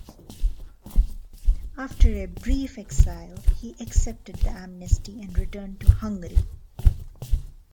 After a brief exile he accepted the amnesty and returned to Hungary.